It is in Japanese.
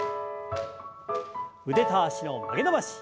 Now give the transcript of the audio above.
腕と脚の曲げ伸ばし。